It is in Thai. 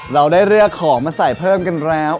เราได้เลือกของมาใส่เพิ่มกันแล้ว